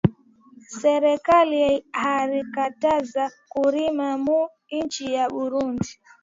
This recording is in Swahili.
Serkali arikataza kurima mu inchi ya burundi